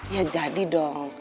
ya jadi dong